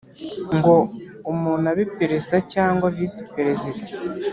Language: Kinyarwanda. ngo umuntu abe Perezida cyangwa Visi Perezida.